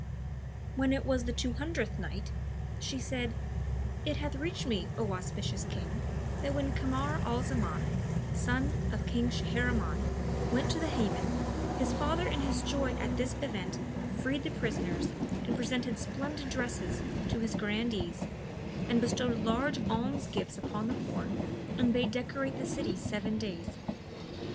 When it was the Two Hundredth Night, She said, It hath reached me, O auspicious King, that when Kamar al Zaman, son of King Shahriman, went to the Hammam, his father in his joy at this event freed the prisoners, and presented splendid dresses to his grandees and bestowed large alm gifts upon the poor and bade decorate the city seven days.